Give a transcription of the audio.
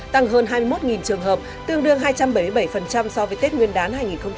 tăng hơn hai mươi một trường hợp tương đương hai trăm bảy mươi bảy so với tết nguyên đán hai nghìn hai mươi